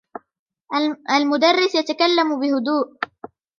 المدرس يتكلم بهدوء.